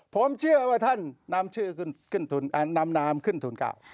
ผมเชื่อว่าท่านนำนามขึ้นทุนเก้า